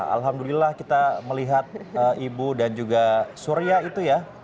alhamdulillah kita melihat ibu dan juga surya itu ya